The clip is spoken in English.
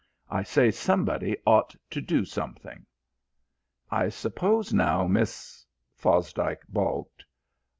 I say somebody ought to do something." "I suppose now, Miss " Fosdike baulked.